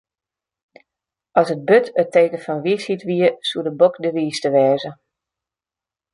As it burd it teken fan wysheid wie, soe de bok de wiiste wêze.